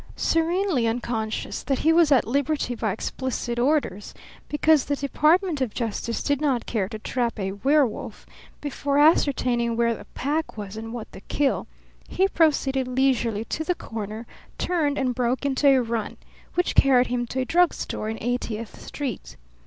Serenely unconscious that he was at liberty by explicit orders, because the Department of Justice did not care to trap a werewolf before ascertaining where the pack was and what the kill, he proceeded leisurely to the corner, turned, and broke into a run, which carried him to a drug store in Eightieth Street.